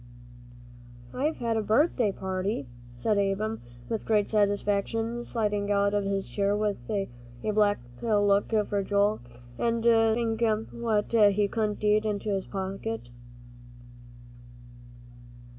"I've had a birthday party," said Ab'm, with great satisfaction, sliding out of his chair with a black look for Joel, and stuffing what he couldn't eat into his pocket.